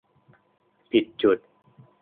ผิดจุด